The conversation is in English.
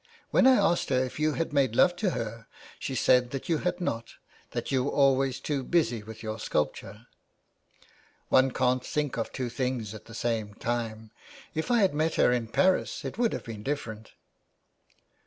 When I asked her if you had made love to her, she said you had not, that you were always too busy with your sculpture. ''*' One can't think of two things at the same time. If I had met her in Paris it would have been different."